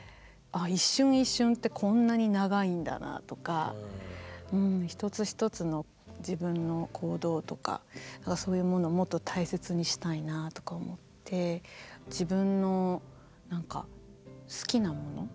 ああ一瞬一瞬ってこんなに長いんだなとか一つ一つの自分の行動とかそういうものをもっと大切にしたいなとか思って自分の好きなもの